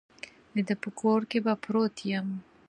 د ده په کور کې به پروت یم.